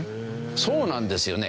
そうなんですよね。